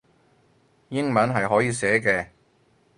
英文係可以寫嘅